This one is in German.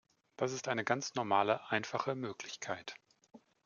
Das ist eine ganz normale, einfache Möglichkeit.